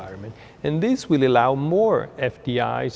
trong lĩnh vực giảm tiền